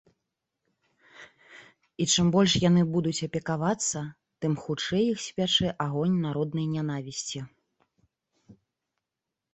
І чым больш яны будуць апекавацца, тым хутчэй іх спячэ агонь народнай нянавісці.